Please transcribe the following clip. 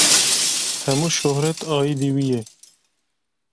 Hemû şohret aîdî wî ye.